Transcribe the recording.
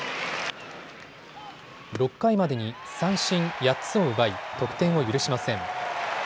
６回までに三振８つを奪い得点を許しません。